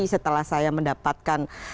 setelah saya mendapatkan